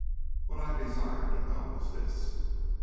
What I desire to know is this.